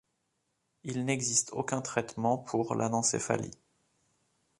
Il n'existe aucun traitement pour l'anencéphalie.